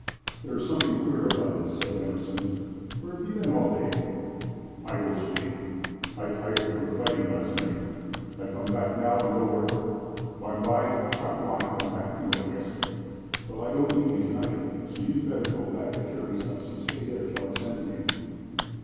"There is something queer about this," said Emerson. "Where have you been all day?" "I go sleep. I tired from fighting last night. I come back now and go work. Bime'by Chakawana come back too, I guess." "Well, I don't need you to night, so you'd better go back to Cherry's house and stay there till I send for you."